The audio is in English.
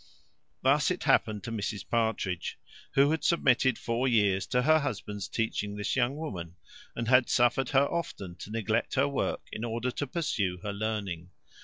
Thus it happened to Mrs Partridge, who had submitted four years to her husband's teaching this young woman, and had suffered her often to neglect her work, in order to pursue her learning.